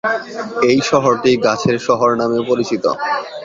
এই শহরটি "গাছের শহর" নামেও পরিচিত।